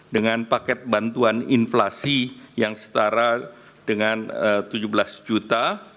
dengan paket bantuan inflasi yang setara dengan tujuh belas juta